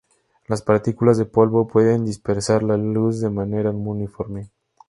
Las partículas de polvo pueden dispersar la luz de manera no uniforme.